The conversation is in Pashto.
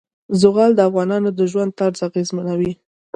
زغال د افغانانو د ژوند طرز اغېزمنوي.